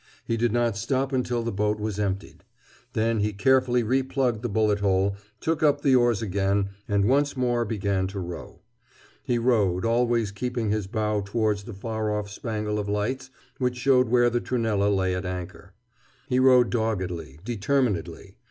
He did not stop until the boat was emptied. Then he carefully replugged the bullet hole, took up the oars again, and once more began to row. He rowed, always keeping his bow towards the far off spangle of lights which showed where the Trunella lay at anchor. He rowed doggedly, determinedly.